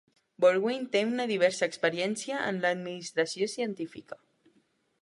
Borwein té una diversa experiència en la administració científica.